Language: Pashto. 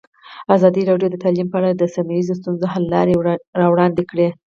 ازادي راډیو د تعلیم په اړه د سیمه ییزو ستونزو حل لارې راوړاندې کړې.